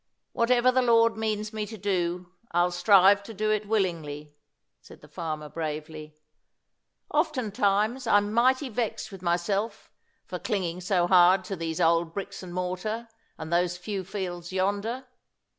"Whatever the Lord means me to do, I'll strive to do it willingly," said the farmer, bravely. "Oftentimes I'm mighty vexed with myself for clinging so hard to these old bricks and mortar, and those few fields yonder.